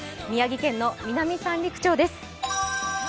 宮城県の南三陸町です。